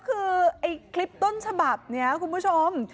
และคลิปต้นฉบับนี้คุณผู้ชม